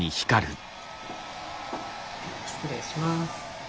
失礼します。